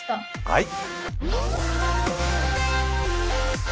はい。